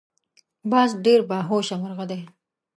باز ډیر باهوشه مرغه دی